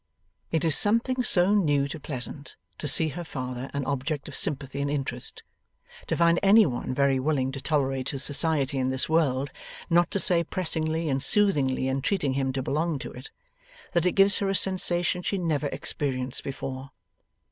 It is something so new to Pleasant to see her father an object of sympathy and interest, to find any one very willing to tolerate his society in this world, not to say pressingly and soothingly entreating him to belong to it, that it gives her a sensation she never experienced before.